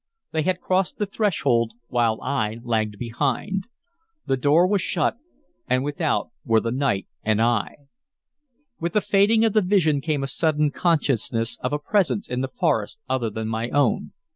They had crossed the threshold while I lagged behind. The door was shut, and without were the night and I. With the fading of the vision came a sudden consciousness of a presence in the forest other than my own.